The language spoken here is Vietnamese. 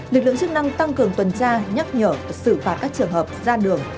lực lượng chức năng tăng cường tuần tra nhắc nhở xử phạt các trường hợp ra đường